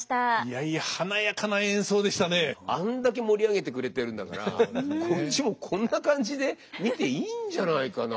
あんだけ盛り上げてくれてるんだからこっちもこんな感じで見ていいんじゃないかなって。